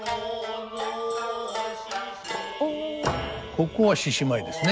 ここは獅子舞ですね。